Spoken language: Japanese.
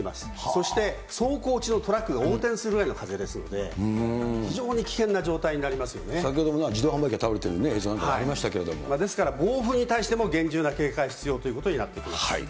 そして走行中のトラックが横転するぐらいの風ですので、非常に危先ほども自動販売機が倒れてですから、暴風に対しても厳重な警戒必要ということになってきます。